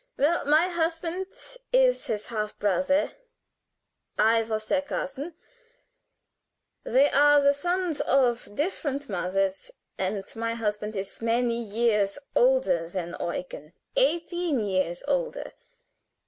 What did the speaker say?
Well, my husband is his half brother. I was their cousin. They are the sons of different mothers, and my husband is many years older than Eugen eighteen years older.